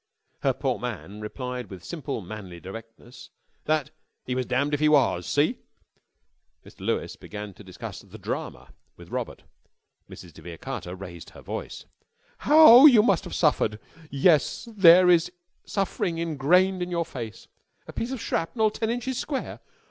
Her poor man replied with simple, manly directness that he "was dam'd if he was. See?" Mr. Lewes began to discuss The Drama with Robert. Mrs. de Vere Carter raised her voice. "How you must have suffered! Yes, there is suffering ingrained in your face. A piece of shrapnel? Ten inches square?